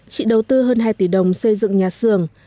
chị đầu tư hơn hai tỷ đồng xây dựng nhà xưởng